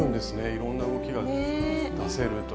いろんな動きが出せるという。ね。